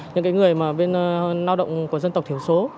vùng nguy cơ dịch